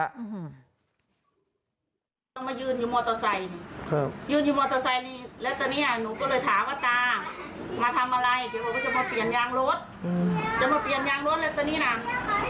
มายืนอยู่มอเตอร์ไซส์ยืนอยู่มอเตอร์ไซส์นี่